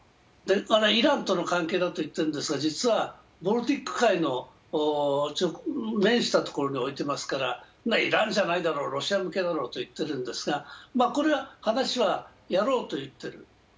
あれ、イランとの関係だと言ってるんですが、実はボルティック海のところに置いていてイランじゃないだろう、ロシア向けだろうと言っているんですが、これは話はやろうと言っている。